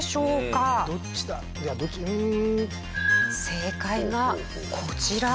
正解はこちら。